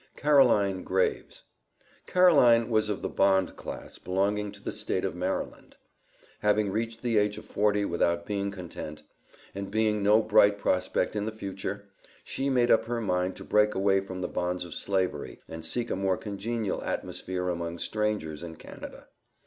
Caroline Graves. Caroline was of the bond class belonging to the State of Maryland. Having reached the age of forty without being content, and seeing no bright prospect in the future, she made up her mind to break away from the bonds of Slavery and seek a more congenial atmosphere among strangers in Canada.